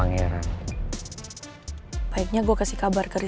mereka tahu kamu anak daddy